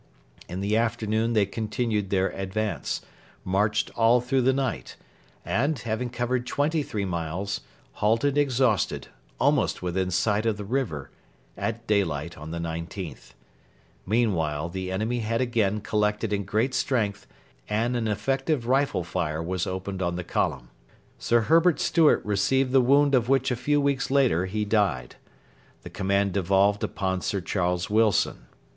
In the afternoon they continued their advance, marched all through the night, and, having covered twenty three miles, halted exhausted, almost within sight of the river, at daylight on the 19th. Meanwhile the enemy had again collected in great strength, and an effective rifle fire was opened on the column. Sir Herbert Stewart received the wound of which a few weeks later he died. The command devolved upon Sir Charles Wilson.